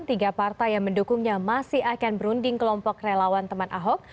tiga partai yang mendukungnya masih akan berunding kelompok relawan teman ahok